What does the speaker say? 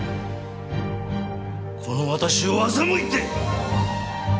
この私を欺いて！